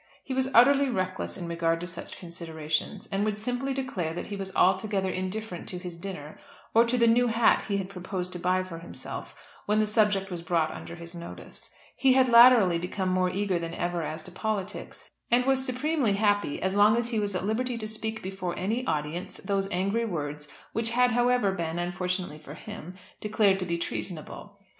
He was utterly reckless in regard to such considerations, and would simply declare that he was altogether indifferent to his dinner, or to the new hat he had proposed to buy for himself when the subject was brought under his notice. He had latterly become more eager than ever as to politics, and was supremely happy as long as he was at liberty to speak before any audience those angry words which had however been, unfortunately for him, declared to be treasonable.